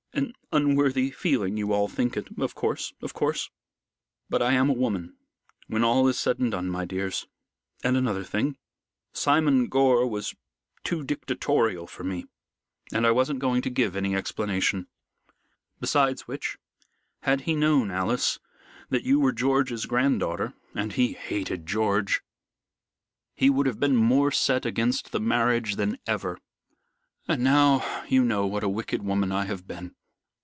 An unworthy feeling you all think it of course of course. But I am a woman, when all is said and done, my dears. And another thing Simon Gore was too dictatorial for me, and I wasn't going to give any explanation. Besides which, had he known Alice, that you were George's grand daughter and he hated George he would have been more set against the marriage than ever. And now you know what a wicked woman I have been."